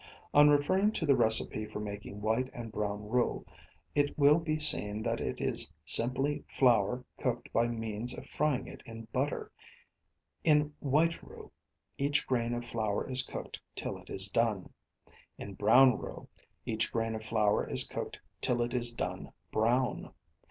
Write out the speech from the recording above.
On referring to the recipe for making white and brown roux, it will be seen that it is simply flour cooked by means of frying it in butter, In white roux each grain of flour is cooked till it is done. In brown roux each grain of flour is cooked till it is done brown.